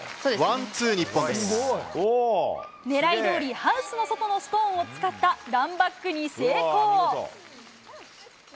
ワン、狙いどおり、ハウスの外のストーンを使ったランバックに成功。